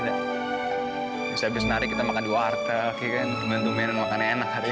habis habis nari kita makan di wartegi kan bintumin makannya enak hari